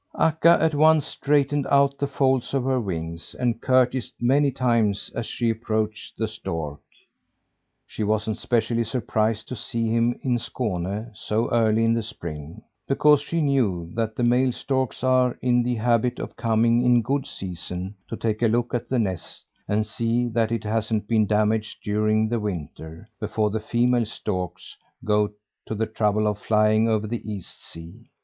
Akka at once straightened out the folds of her wings, and curtsied many times as she approached the stork. She wasn't specially surprised to see him in Skåne so early in the spring, because she knew that the male storks are in the habit of coming in good season to take a look at the nest, and see that it hasn't been damaged during the winter, before the female storks go to the trouble of flying over the East sea.